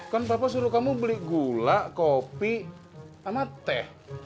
kan papa suruh kamu beli gula kopi sama teh